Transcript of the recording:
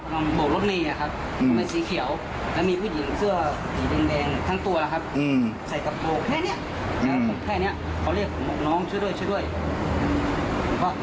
ต้องใจเย็นเดินลงไปไม่มีใครหรอก